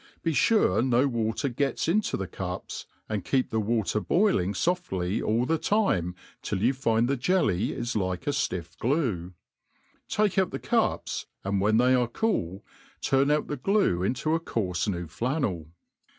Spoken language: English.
Be fure no water gets into the cups, and keep the water boiling foftly all the time till you find the jelly is like a fiifFglue; take out the cups, anJ when they are cool, turn out the glue inta a coarfe new flannel.